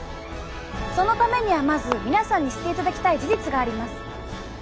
そのためにはまず皆さんに知っていただきたい事実があります。